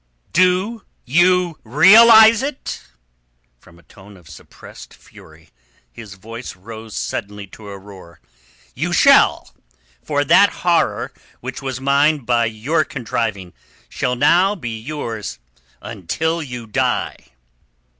"Do you realize it?" From a tone of suppressed fury his voice rose suddenly to a roar. "You shall. For that horror which was mine by your contriving shall now be yours until you die."